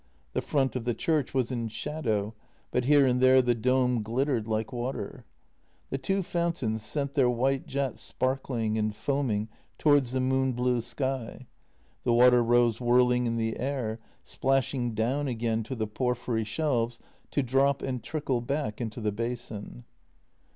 The front of the church was in shadow, but here and there the dome glittered like water. The two fountains sent their white jets sparkling and foaming towards the moon blue sky. The water rose whirling in the air, splashing down again to the porphyry shelves to drop and trickle back into the basin.